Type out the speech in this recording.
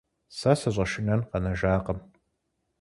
Сэ сыщӏэшынэн къэнэжакъым.